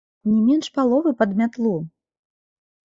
Не менш паловы пад мятлу!